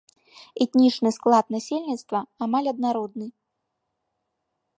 Этнічны склад насельніцтва амаль аднародны.